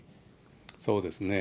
そうですね。